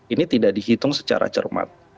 ini tidak dihitung secara cermat